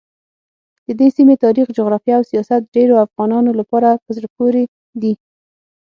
ددې سیمې تاریخ، جغرافیه او سیاست ډېرو افغانانو لپاره په زړه پورې دي.